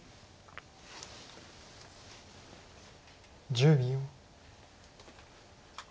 １０秒。